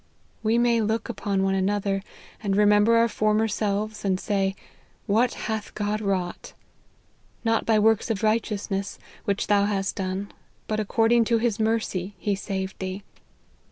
We may look upon one another, and re member our former selves, and say, ' What hath God wrought !'' Not by works of righteousness which thou hast done, but according to his mercy he saved thee.'